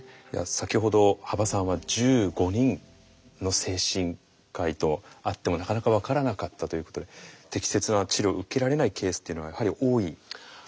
先ほど羽馬さんは１５人の精神科医と会ってもなかなか分からなかったということで適切な治療を受けられないケースっていうのはやはり多いですか？